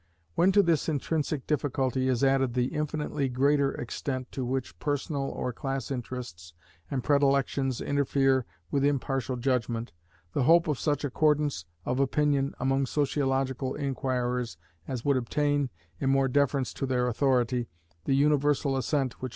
When to this intrinsic difficulty is added the infinitely greater extent to which personal or class interests and predilections interfere with impartial judgment, the hope of such accordance of opinion among sociological inquirers as would obtain, in mere deference to their authority, the universal assent which M.